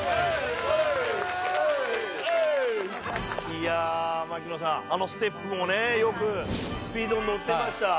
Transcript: いや槙野さんあのステップもよくスピードに乗ってました。